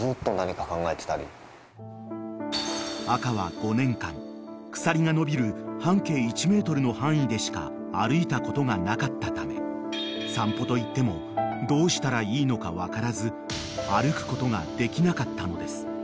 ［赤は５年間鎖が伸びる半径１ｍの範囲でしか歩いたことがなかったため散歩といってもどうしたらいいのか分からず歩くことができなかったのです］